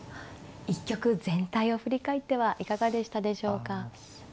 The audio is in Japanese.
一局全体を振り返ってはいかがでしたでしょうか。